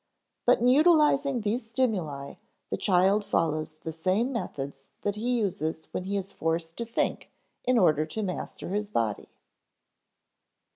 But in utilizing these stimuli the child follows the same methods that he uses when he is forced to think in order to master his body.